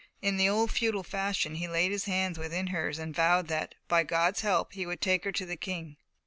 In the old feudal fashion, he laid his hands within hers and vowed that, by God's help, he would take her to the King.